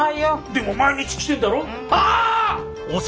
でも毎日来てんだろ？あっ！